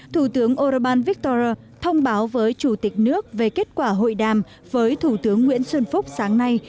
thủ tướng orban victor thông báo với chủ tịch nước về kết quả hội đàm với thủ tướng nguyễn xuân phúc sáng nay